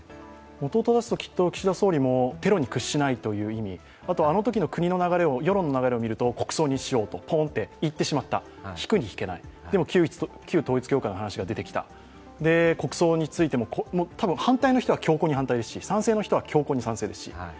もとを正すときっと岸田総理もテロに屈しないと、あとはあのときの世論の流れを見ると国葬にしようとポーンと言ってしまった引くに引けないでも旧統一教会の話が出てきた国葬についても多分反対の人は強硬に反対ですし賛成の人は強硬に賛成ですし。